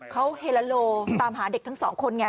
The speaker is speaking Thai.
เขาเฮลาโลตามหาเด็กทั้งสองคนไง